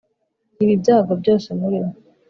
ibi byago byose murimo